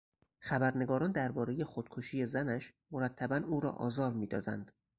خبرنگاران دربارهی خودکشی زنش مرتبا او را آزار میدادند.